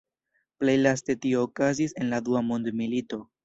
Plej laste tio okazis en la Dua Mondmilito.